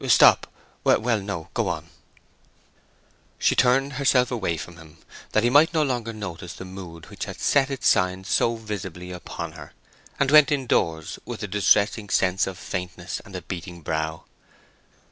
Stop—well no, go on." She turned herself away from him, that he might no longer notice the mood which had set its sign so visibly upon her, and went indoors with a distressing sense of faintness and a beating brow.